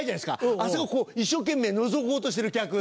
あそここう一生懸命のぞこうとしてる客。